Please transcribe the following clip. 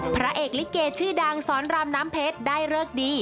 พระเอกลิเกชื่อดังสอนรามน้ำเพชรได้เลิกดี